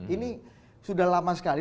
ini sudah lama sekali